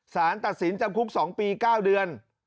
สารตัดสินจำคุก๒ปี๙เดือน